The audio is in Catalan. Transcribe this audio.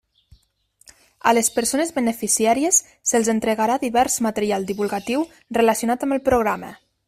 A les persones beneficiàries se'ls entregarà divers material divulgatiu relacionat amb el programa.